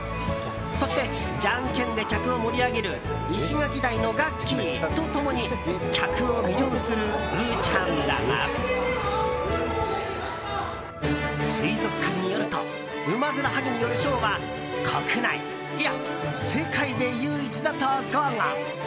そして、じゃんけんで客を盛り上げるイシガキダイのガッキーと共に客を魅了するウーちゃんだが水族館によるとウマヅラハギによるショーは国内、いや世界で唯一だと豪語。